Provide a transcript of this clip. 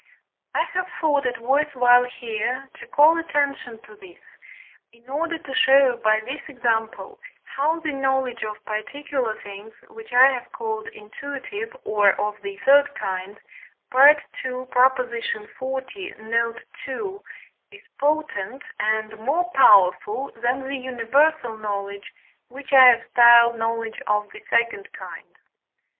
I have thought it worth while here to call attention to this, in order to show by this example how the knowledge of particular things, which I have called intuitive or of the third kind (II. xl. note. ii.), is potent, and more powerful than the universal knowledge, which I have styled knowledge of the second kind.